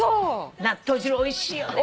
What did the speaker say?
納豆汁おいしいよね。